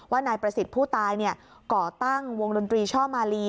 นายประสิทธิ์ผู้ตายก่อตั้งวงดนตรีช่อมาลี